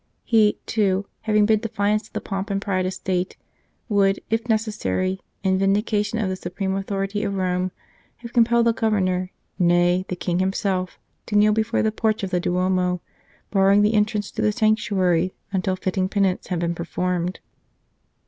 He, too, having bid defiance to the pomp and pride of State, would if necessary, in vindication of the supreme authority of Rome, have compelled the Governor nay, the King himself to kneel before the porch of the Duomo, barring the entrance to the sanctuary until fitting penance had been performed.